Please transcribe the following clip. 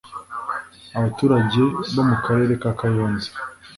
Abaturage bo mu karere ka Kayonza